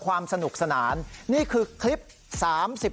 ความสนุกสนานนี่คือคลิป